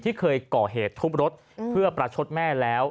ที่เคยก่อเหตุทุบรถเพื่อประชดแม่แล้ว